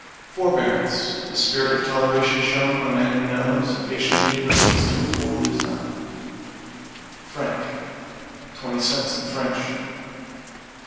=FORBEARANCE= The spirit of toleration shown when a man who knows, patiently listens to a fool who does not. =FRANC= Twenty cents, in French.